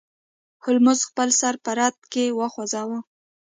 هولمز خپل سر په رد کې وخوزاوه.